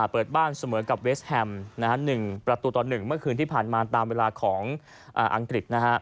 เปิดบ้านเสมอกับเวสแฮม๑ประตูต่อ๑เมื่อคืนที่ผ่านมาตามเวลาของอังกฤษ